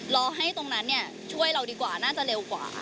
รอให้ตรงนั้นช่วยเราดีกว่าน่าจะเร็วกว่า